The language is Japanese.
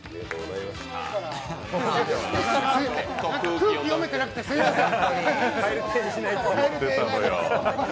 空気読めてなくてすみません。